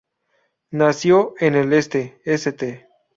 Nació en el este St.